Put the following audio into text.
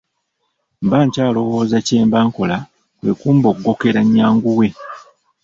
Mba nkyalowooza kye mba nkola kwe kumboggokera nnyanguwe.